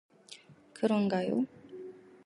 그런가요?